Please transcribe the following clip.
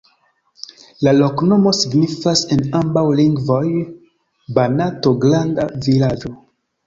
La loknomo signifas en ambaŭ lingvoj: Banato-granda-vilaĝo.